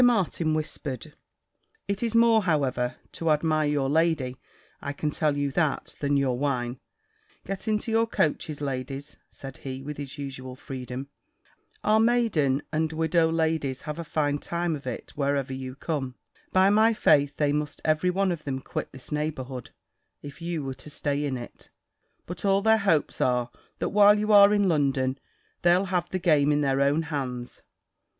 Martin whispered "It is more, however, to admire your lady, I can tell you that, than your wine. Get into your coaches, ladies," said he, with his usual freedom; "our maiden and widow ladies have a fine time of it, wherever you come: by my faith they must every one of them quit this neighbourhood, if you were to stay in it: but all their hopes are, that while you are in London, they'll have the game in their own hands."